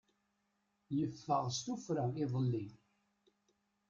Yeffeɣ s tuffra iḍelli.